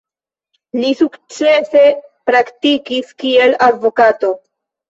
Li sukcese praktikis kiel advokato.